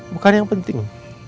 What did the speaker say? bukan yang penting